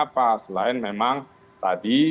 apa selain memang tadi